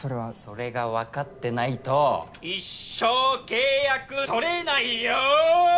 それがわかってないと一生契約取れないよ！